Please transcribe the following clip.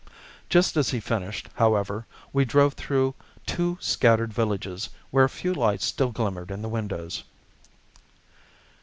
Just as he finished, however, we drove through two scattered villages, where a few lights still glimmered in the windows.